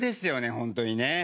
本当にね。